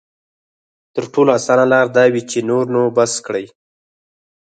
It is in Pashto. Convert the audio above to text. تر ټولو اسانه لاره دا وي چې نور نو بس کړي.